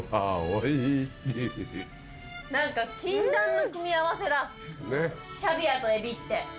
何か禁断の組み合わせだキャビアと海老って。